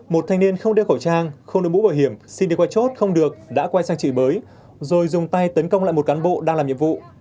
một thanh niên không đeo khẩu trang không được mũ bảo hiểm xin đi qua chốt không được đã quay sang chửi bới rồi dùng tay tấn công lại một cán bộ đang làm nhiệm vụ